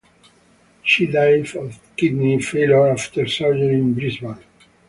She died of kidney failure after surgery in Brisbane.